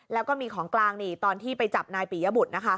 แล้วก็มีของกลางนี่ตอนที่ไปจับนายปียบุตรนะคะ